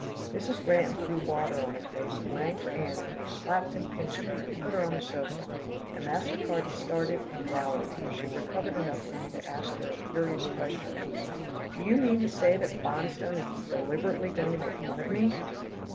Mrs. Granton threw water on her face, and rang for Annie and they slapped and pinched her, and put her on the sofa, and Master Carty stared and glowered, till she recovered enough for him to ask her a furious question, "Do you mean to say that Bonstone is deliberately going to make game of me?"